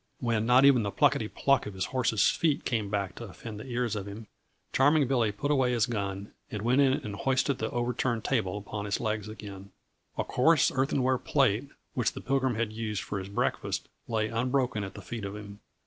When not even the pluckety pluck of his horse's feet came back to offend the ears of him, Charming Billy put away his gun and went in and hoisted the overturned table upon its legs again. A coarse, earthenware plate, which the Pilgrim had used for his breakfast, lay unbroken at the feet of him.